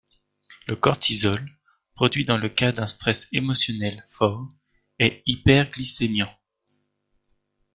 Le cortisol, produit dans le cas d'un stress émotionnel fort, est hyperglycémiant.